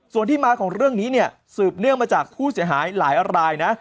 ส่วนที่มาของเรื่องนี้เนี่ยสืบเนื่องมาจากผู้เสียหายหลายรายนะ